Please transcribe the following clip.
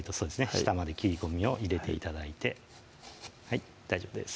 下まで切り込みを入れて頂いてはい大丈夫です